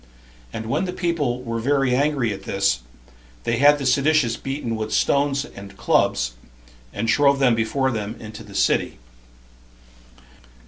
And when the people were very angry at this, they had the seditious beaten with stones and clubs, and drove them before them into the city.